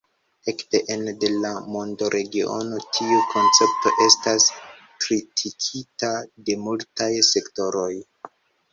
Ekde ene de la mondoregiono, tiu koncepto estas kritikita de multaj sektoroj.